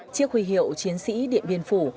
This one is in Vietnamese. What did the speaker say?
chiếc huy hiệu chiến sĩ điện biên phủ